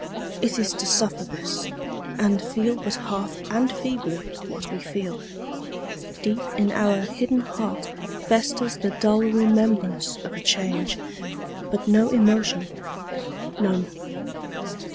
It is to suffer this, And feel but half, and feebly, what we feel. Deep in our hidden heart Festers the dull remembrance of a change, But no emotion none.